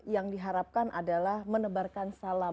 yang diharapkan adalah menebarkan salam